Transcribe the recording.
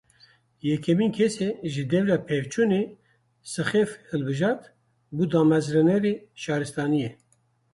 Yekemîn kesê ji dêvla pevçûnê sixêf hilbijart, bû damezrînerê şaristaniyê.